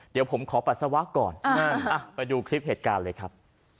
เดี๋ยวผมขอปัสสาวะก่อนไปดูคลิปเหตุการณ์เลยครับ